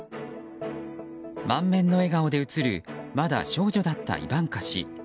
満面の笑顔で写るまだ少女だったイバンカ氏。